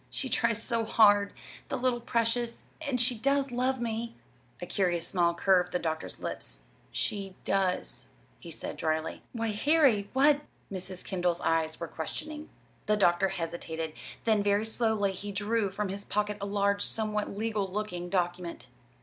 "She tries so hard the little precious! and she does love me." A curious smile curved the doctor's lips. "She does," he said dryly. "Why, Harry, what " Mrs. Kendall's eyes were questioning. The doctor hesitated. Then very slowly he drew from his pocket a large, somewhat legal looking document.